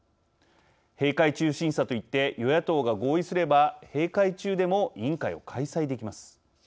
閉会中審査といって与野党が合意すれば閉会中でも委員会を開催できます。